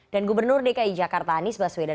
dan gubernur dki jakarta anies baswedan